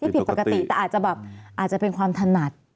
ผิดปกติแต่อาจจะแบบอาจจะเป็นความถนัด